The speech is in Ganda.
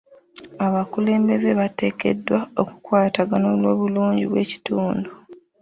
Abakulembeze bateekeddwa okukwatagana olw'obulungi bw'ekitundu.